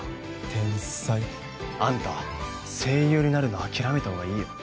天才あんた声優になるの諦めた方がいいよ